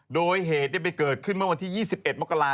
โดยเหตุได้ไปเกิดขึ้นเมื่อวันที่๒๑มกราศ